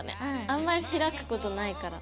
あんまりひらくことないから。